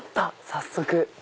早速。